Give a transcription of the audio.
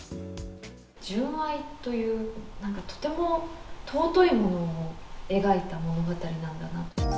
純愛という、なんかとても尊いものを描いた物語なんだなと。